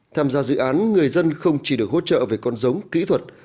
tham gia dự án người dân không chỉ được hỗ trợ về con giống kỹ thuật